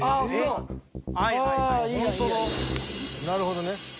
なるほどね。